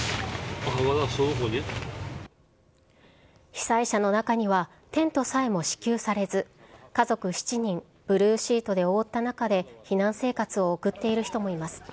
被災者の中には、テントさえも支給されず、家族７人、ブルーシートで覆った中で避難生活を送っている人もいます。